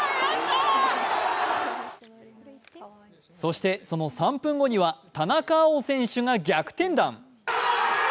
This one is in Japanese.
そして、その３分後には田中碧選手が逆転弾。